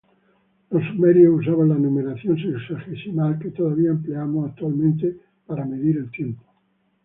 Los sumerios usaban la numeración sexagesimal que todavía empleamos actualmente para medir el tiempo.